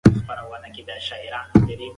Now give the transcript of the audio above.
که پرهیز وي نو روغتیا نه خرابیږي.